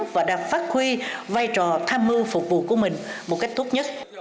và đang phát huy vai trò tham mưu phục vụ của mình một cách tốt nhất